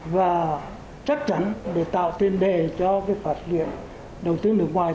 và chắc chắn để tạo thêm đề cho phạt luyện đầu tư nước ngoài